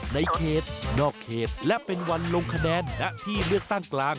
ในเขตนอกเขตและเป็นวันลงคะแนนณที่เลือกตั้งกลาง